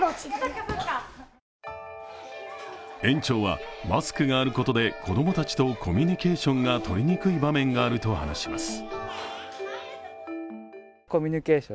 園長は、マスクがあることで子供たちとコミュニケーションがとりにくい場面があると話します。